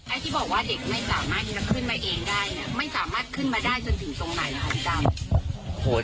ที่บอกว่าเด็กไม่สามารถที่จะขึ้นมาเองได้เนี่ยไม่สามารถขึ้นมาได้จนถึงตรงไหนนะคะพี่ดำ